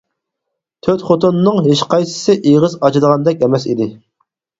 تۆت خوتۇننىڭ ھېچقايسىسى ئېغىز ئاچىدىغاندەك ئەمەس ئىدى.